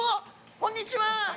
こんにちは。